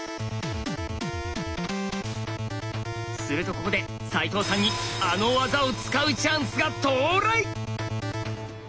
するとここで齋藤さんにあの技を使うチャンスが到来！